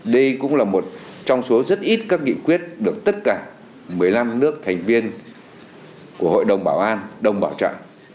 đây cũng là một trong số rất ít các nghị quyết được tất cả một mươi năm nước thành viên của hội đồng bảo an đồng bảo trợ